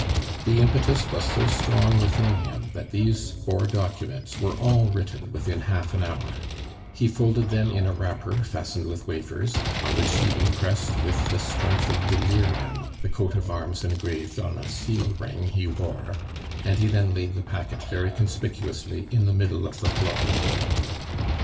The impetus was so strong within him that these four documents were all written within half an hour; he folded them in a wrapper, fastened with wafers, on which he impressed with the strength of delirium the coat of arms engraved on a seal ring he wore, and he then laid the packet very conspicuously in the middle of the floor.